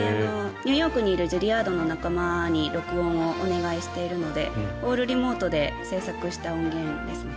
ニューヨークにいるジュリアードの仲間に録音をお願いしているのでオールリモートで制作したものです。